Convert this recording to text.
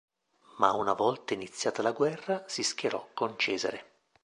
Ma una volta iniziata la guerra, si schierò con Cesare.